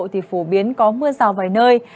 thì phổ biến có mưa rào vài nơi